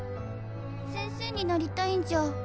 先生になりたいんじゃ。